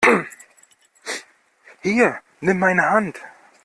Hier, nimm meine Hand!